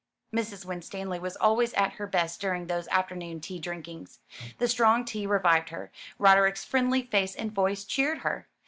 Mrs. Winstanley was always at her best during those afternoon tea drinkings. The strong tea revived her; Roderick's friendly face and voice cheered her.